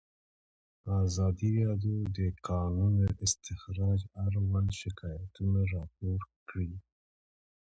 ازادي راډیو د د کانونو استخراج اړوند شکایتونه راپور کړي.